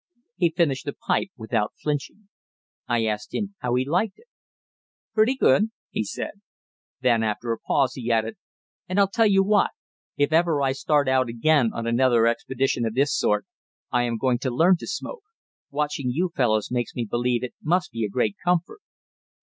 He finished the pipe without flinching. I asked him how he liked it. "Pretty good," he said. Then after a pause he added: "And I'll tell you what; if ever I start out again on another expedition of this sort, I am going to learn to smoke; watching you fellows makes me believe it must be a great comfort."